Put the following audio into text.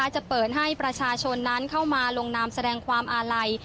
จะเปิดให้ประชาชนนั้นเข้ามาลงนามแสดงความอาลัย